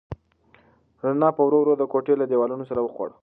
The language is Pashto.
رڼا په ورو ورو د کوټې له دیوالونو سر وخوړ.